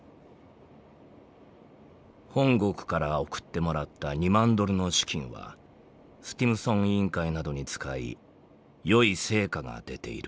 「本国から送ってもらった２万ドルの資金はスティムソン委員会などに使い良い成果が出ている」。